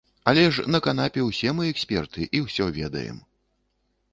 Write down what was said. Але ж на канапе ўсе мы эксперты і ўсё ведаем.